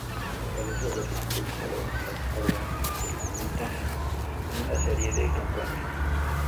Parece haber expulsado a las hordas elamitas, en una serie de campañas.